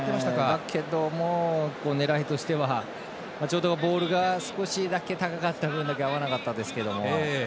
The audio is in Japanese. だけども狙いとしてはちょうどボールが高かった分だけ合わなかったですけども。